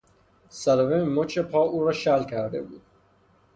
صدمه به مچ پا او را شل کرده بود.